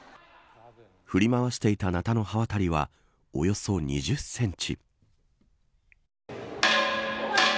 振り回していたなたの刃渡りはおよそ２０センチ。